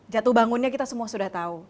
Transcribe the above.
jatuh bangunnya kita semua sudah tahu